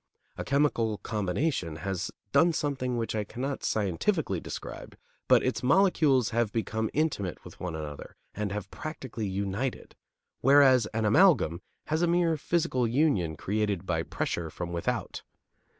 A chemical combination has done something which I cannot scientifically describe, but its molecules have become intimate with one another and have practically united, whereas an amalgam has a mere physical union created by pressure from without.